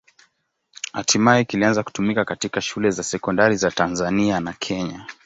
Hatimaye kilianza kutumika katika shule za sekondari za Tanzania na Kenya.